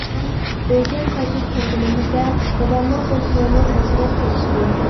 ئۆيگە قايتىپ كەلگىنىمىزدە دادامنىڭ دوستلىرىمۇ ئەنسىرەپ كىرىشتى.